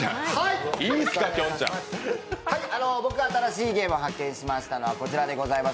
僕が新しいゲーム発見しましたのは、こちらです。